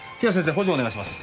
補助お願いします